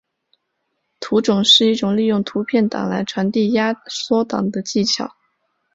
图种是一种利用图片档来传递压缩档的技巧。